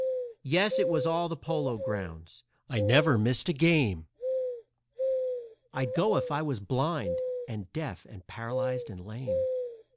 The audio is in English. Yes, it was all the Polo Grounds I never missed a game; I'd go if I was blind and deaf and paralyzed and lame.